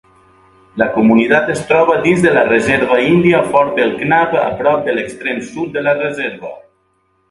La comunitat es troba dins de la reserva índia Fort Belknap, a prop de l'extrem sud de la reserva.